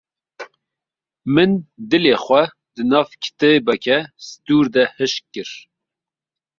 Min dilê xwe di nav kitêbeke sitûr de hişk kir.